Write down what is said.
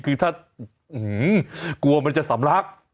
คือถ้ากลัวมันจะสำลัก